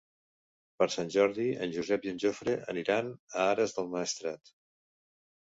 Per Sant Jordi en Josep i en Jofre aniran a Ares del Maestrat.